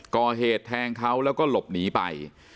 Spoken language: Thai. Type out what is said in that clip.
ก่อเหตุแทงเขาแล้วก็หลบหนีไป